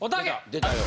出たよ。